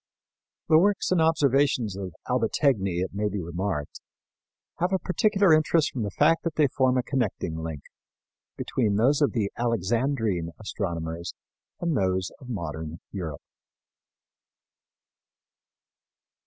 The works and observations of Albategni, it may be remarked, have a particular interest from the fact that they form a connecting link between those of the Alexandrine astronomers and those of modern Europe.